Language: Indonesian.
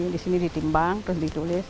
di sini ditimbang terus ditulis